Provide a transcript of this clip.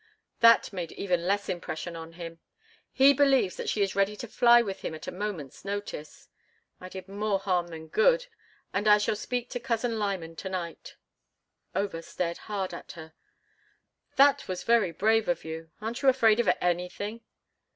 That made even less impression on him—he believes that she is ready to fly with him at a moment's notice. I did more harm than good, and I shall speak to Cousin Lyman to night." Over stared hard at her. "That was very brave of you. Aren't you afraid of anything?"